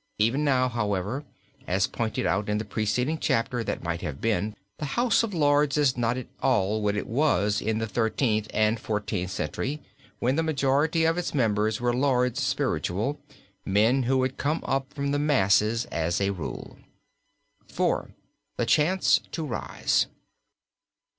Even now, however, as pointed out in the preceding chapter that might have been, the House of Lords is not at all what it was in the Thirteenth and Fourteenth Centuries when the majority of its members were Lords spiritual, men who had come up from the masses as a rule. IV. THE CHANCE TO RISE.